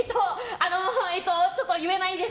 あのちょっと言えないです。